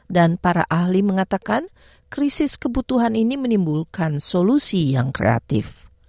dan para ahli mengatakan krisis kebutuhan ini menimbulkan solusi yang kreatif